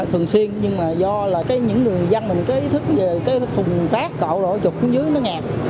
thường xuyên nhưng mà do là những người dân mình có ý thức về cái thùng rác cậu rồi chụp xuống dưới nó ngạc